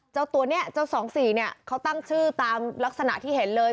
เจ้าตัวนี้เจ้า๒๔เนี่ยเขาตั้งชื่อตามลักษณะที่เห็นเลย